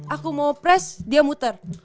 aku mau press dia muter